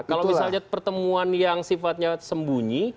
kalau misalnya pertemuan yang sifatnya sembunyi